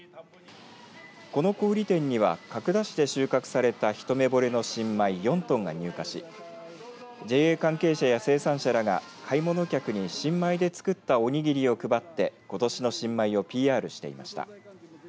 この小売店には角田市で収穫されたひとめぼれの新米４トンが入荷しＪＡ関係者や生産者らが買い物客に新米で作ったおにぎりを配ってことしの新米をＰＲしていました。